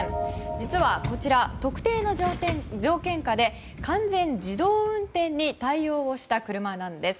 実はこちら、特定の条件下で完全自動運転に対応した車なんです。